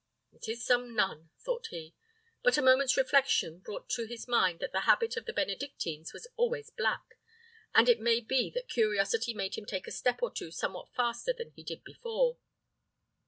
"It is some nun," thought he: but a moment's reflection brought to his mind that the habit of the Benedictines was always black; and it may be that curiosity made him take a step or two somewhat faster than he did before.